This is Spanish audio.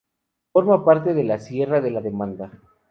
Forma parte de la sierra de la Demanda.